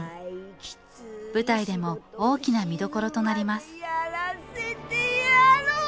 舞台でも大きな見どころとなります